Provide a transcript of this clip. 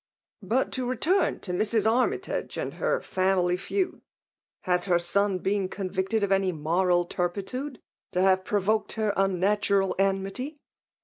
" But, to return to Mrs. Armytage and hbf family feuds. Has her son been contictdd'of any moral turpitude, to have provoked* her unnatural enmity